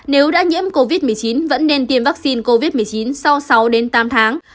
nếu đã nhiễm covid một mươi chín vẫn nên tiêm vaccine covid một mươi chín sau sáu đến tám tháng